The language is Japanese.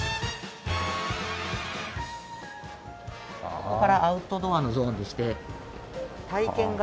ここからアウトドアのゾーンでして体験型